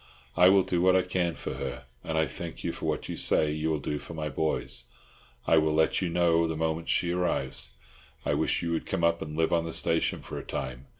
I will do what I can for her, and I thank you for what you say you will do for my boys. I will let you know the moment she arrives. I wish you would come up and live on the station for a time.